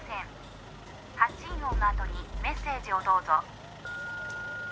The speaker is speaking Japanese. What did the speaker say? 「発信音の後にメッセージをどうぞ」